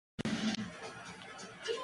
Quien habla es san Buenaventura.